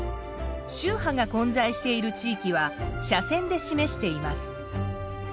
宗派が混在している地域は斜線で示しています。